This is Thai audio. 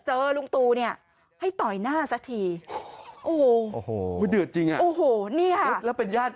เจอลุงตูเนี่ยให้ต่อยหน้าสักทีโอ้โหโอ้โหเนี่ยแล้วเป็นญาติ